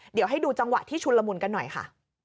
เดี๋ยวให้ดูจังหวะที่ชุนละมุนกันหน่อยค่ะ